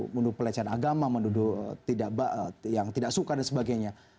menuduh pelecehan agama menuduh yang tidak suka dan sebagainya